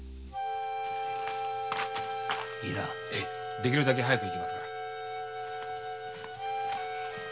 できるだけ早く行きますから。